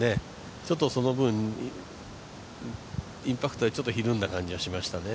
ちょっとその分、インパクトはちょっとひるんだ感じがしますね。